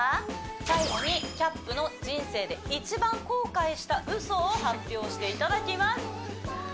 最後にキャップの人生で一番後悔したウソを発表していただきますえ！